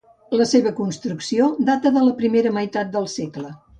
La seva construcció data de la primera meitat del segle.